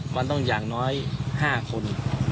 มันต้องอย่างน้อย๕คน